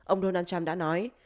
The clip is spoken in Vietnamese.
ông donald trump đã nói